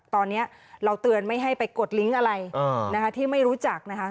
ตอนนี้เราเตือนไม่ให้ไปกดลิงก์อะไรที่ไม่รู้จักนะคะ